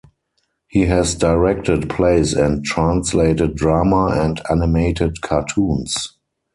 He has directed plays and translated drama and animated cartoons.